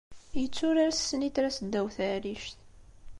Yetturar s ssnitra-s ddaw n teɛrict